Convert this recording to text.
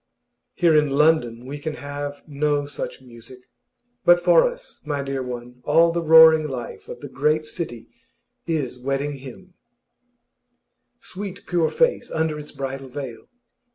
Here in London we can have no such music; but for us, my dear one, all the roaring life of the great city is wedding hymn. Sweet, pure face under its bridal veil!